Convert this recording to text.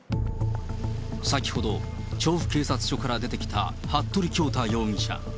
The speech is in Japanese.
先ほど、調布警察署から出てきた服部恭太容疑者。